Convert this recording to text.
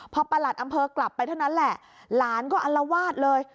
พอประหลัดอำเภอกลับไปเท่านั้นแหละหลานก็อัลวาดเลย